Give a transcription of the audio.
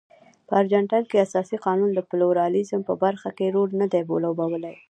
په ارجنټاین کې اساسي قانون د پلورالېزم په برخه کې رول نه دی لوبولی.